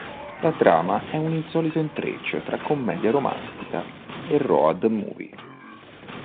La trama è un insolito intreccio tra commedia romantica e road movie.